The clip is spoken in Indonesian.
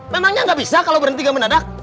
memangnya nggak bisa kalau berhenti gak menadak